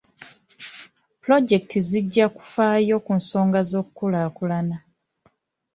Pulojekiti zijja kufaayo ku nsonga z'okukulaakulana.